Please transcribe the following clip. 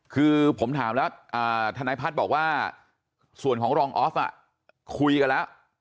คือผมถามแล้วทนายพัฒน์บอกว่าส่วนของรองออฟคุยกันแล้ว